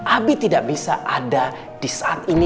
abi tidak bisa ada di saat ini